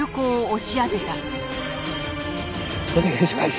お願いします。